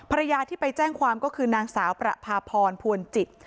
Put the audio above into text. ภรรยาที่ไปแจ้งความก็คือนางสาวประพาพรพวนจิต